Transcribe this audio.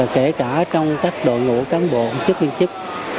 kể cả trong các đội ngũ cán bộ chức viên chức